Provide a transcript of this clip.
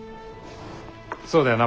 そうだよな？